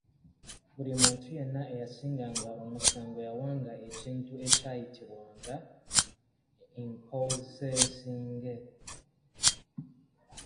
"Buli muntu yenna eyasinganga omusango yawanga ekintu ekyayitibwanga, “mpozensinge”."